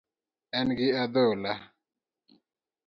En gi adhola